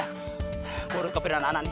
gua harus ke periwana anak nih